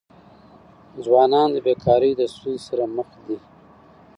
ځوانان د بېکاری د ستونزي سره مخ دي.